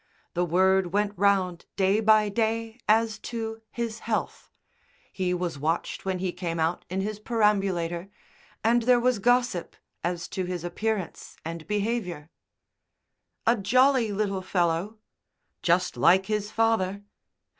The word went round day by day as to his health; he was watched when he came out in his perambulator, and there was gossip as to his appearance and behaviour. "A jolly little fellow." "Just like his father."